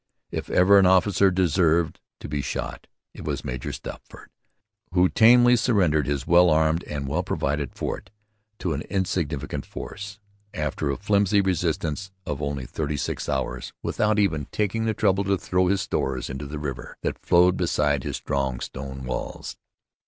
If ever an officer deserved to be shot it was Major Stopford, who tamely surrendered his well armed and well provided fort to an insignificant force, after a flimsy resistance of only thirty six hours, without even taking the trouble to throw his stores into the river that flowed beside his strong stone walls.